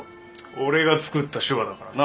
俺が作った手話だからな。